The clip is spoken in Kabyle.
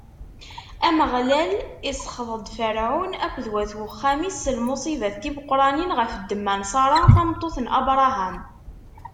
Ameɣlal isxeḍ-d Ferɛun akked wat wexxam-is s lmuṣibat timeqranin ɣef ddemma n Ṣara, tameṭṭut n Abṛaham.